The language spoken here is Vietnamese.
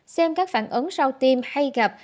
xem các phản ứng sau tiêm hay gặp